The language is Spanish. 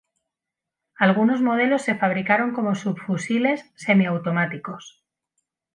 Algunos modelos se fabricaron como subfusiles semiautomáticos.